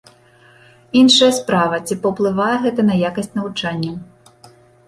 Іншая справа, ці паўплывае гэта на якасць навучання?